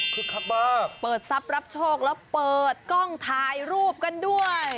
คักมากเปิดทรัพย์รับโชคแล้วเปิดกล้องถ่ายรูปกันด้วย